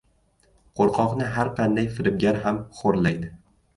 Qo‘rqoqni har qanday firibgar ham xo‘rlaydi.